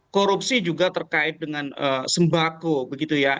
korupsi juga terkait dengan sembako begitu ya